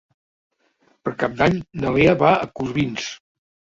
Per Cap d'Any na Lea va a Corbins.